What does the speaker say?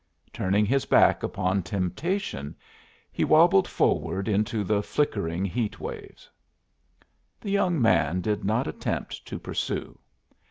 Turning his back upon temptation, he wabbled forward into the flickering heat waves. The young man did not attempt to pursue.